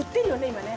今ね